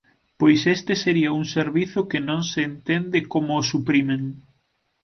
Pois este sería un servizo que non se entende como o suprimen.